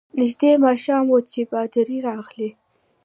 نژدې ماښام وو چي پادري راغلی.